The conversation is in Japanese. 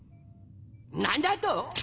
何だと？